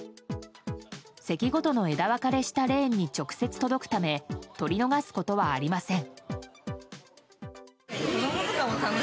席ごとの枝分かれしたレーンに直接届くため取り逃すことはありません。